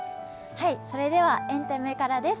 それではエンタメからです。